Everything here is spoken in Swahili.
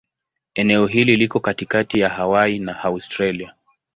Eneo hili liko katikati ya Hawaii na Australia.